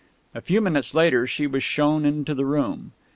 A few minutes later she was shown into the room.